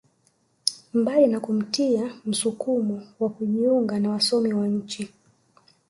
Mbali na kumtia msukumo wa kujiunga na wasomi wa nchi